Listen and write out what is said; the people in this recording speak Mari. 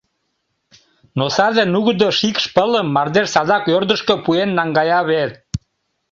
Но саде нугыдо шикш-пылым мардеж садак ӧрдыжкӧ пуэн наҥгая вет.